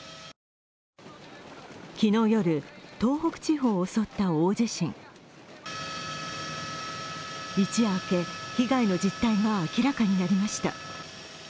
昨日夜、東北地歩を襲った大地震一夜明け、被害の実態が明らかになりました。